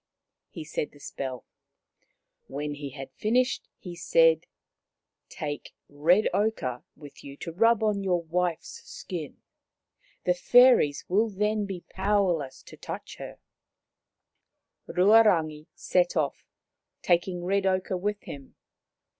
He said the spell. When he had finished he said, " Take red ochre with you to rub on your wife's skin, The fairies will then be powerless to touch her/' Ruarangi set off, taking red ochre with him.